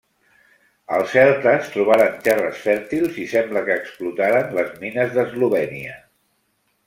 Els celtes trobaren terres fèrtils i sembla que explotaren les mines d'Eslovènia.